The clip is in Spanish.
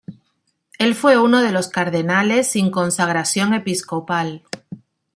Él fue uno de los cardenales sin consagración episcopal.